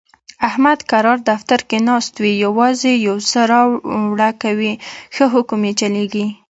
احمد کرار دفتر کې ناست وي، یووازې یوسه راوړه کوي، ښه حکم یې چلېږي.